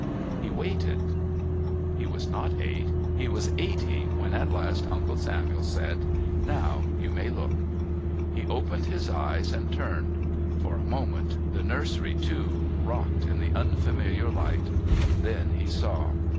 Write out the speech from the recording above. He waited. He was not eight, he was eighty when at last Uncle Samuel said, "Now you may look." He opened his eyes and turned; for a moment the nursery, too, rocked in the unfamiliar light. Then he saw.